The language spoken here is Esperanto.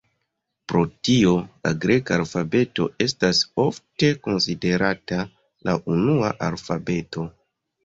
Pro tio, la greka alfabeto estas ofte konsiderata la unua alfabeto.